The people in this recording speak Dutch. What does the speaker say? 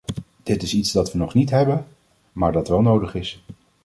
Dit is iets dat we nog niet hebben, maar dat wel nodig is.